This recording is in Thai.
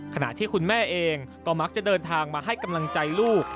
ขณะที่คุณแม่เองก็มักจะเดินทางมาให้กำลังใจลูก